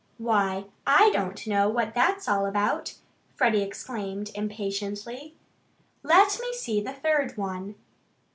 "Why, I don't know what that's all about!" Freddie exclaimed impatiently. "Let me see the third one!"